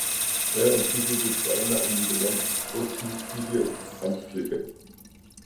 Er entwickelte zwei nach ihm benannte geburtshilfliche Handgriffe.